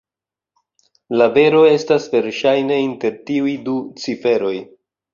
La vero estas verŝajne inter tiuj du ciferoj.